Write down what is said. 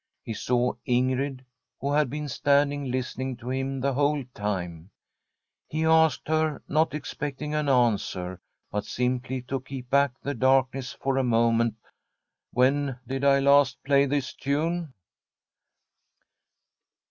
He saw Ingrid, who had been standing listening to him the whole time. He asked her, not expecting an answer, but sim ply to keep back the darkness for a moment :' When did I last play this tune